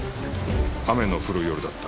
雨の降る夜だった